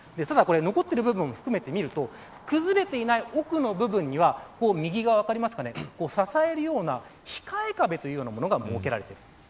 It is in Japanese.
残っている部分を含めて見ると崩れていない奥の部分には支えるような、ひかえ壁というものが設けられています。